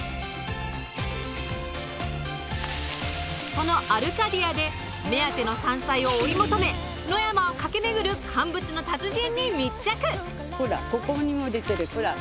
そのアルカディアで目当ての山菜を追い求め野山を駆け巡る乾物の達人に密着。